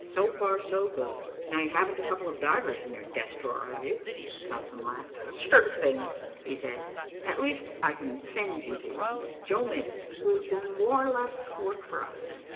"So far so good. Now, you haven't a couple of divers in your desk drawer, have you?" Thompson laughed. "Sure thing," he said. "At least I can send you to one, Joe Miggs, who has done more or less work for us.